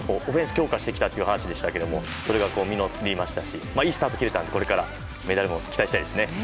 オフェンスを強化してきたという話でしたがそれが実りましたしいいスタートが切れたのでメダルも期待したいですね。